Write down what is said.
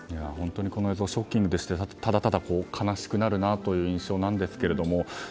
本当に、この映像はショッキングでただただ悲しくなるなという印象ですが。